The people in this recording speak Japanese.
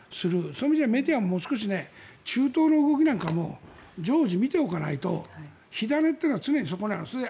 そういう意味じゃメディアももう少し中東の動きなんかも常時見ておかないと火種というのは常にそこにある。